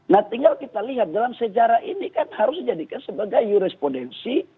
nah tinggal kita lihat dalam sejarah ini kan harus dijadikan sebagai jurisprudensi